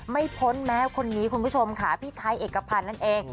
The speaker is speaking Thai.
พ้นแม้คนนี้คุณผู้ชมค่ะพี่ไทยเอกพันธ์นั่นเอง